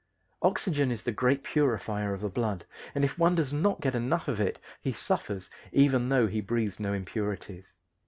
Oxygen is the great purifier of the blood, and if one does not get enough of it he suffers even though he breathes no impurities.